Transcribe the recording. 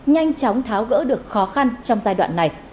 nhanh chóng tháo gỡ được khó khăn trong giai đoạn này